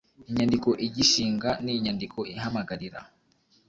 Inyandiko igishinga n inyandiko ihamagarira